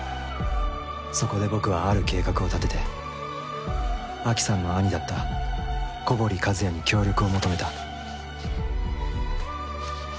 そこで僕はある計画を立ててアキさんの兄だった古堀和也に協力を求めた。